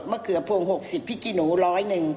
มะเขือพวง๖๐พริกขี้หนู๑๐๐หนึ่ง